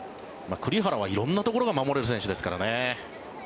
栗原は色んなところが守れる選手ですからね。